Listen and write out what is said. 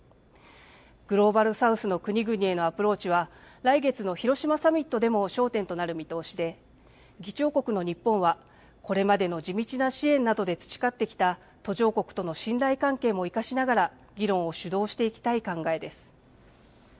グローバル・サウスの国々へのアプローチは、来月の広島サミットでも焦点となる見通しで、議長国の日本は、これまでの地道な支援などで培ってきた途上国との信頼関係も生かしながら、議論を主導していきたい考えです。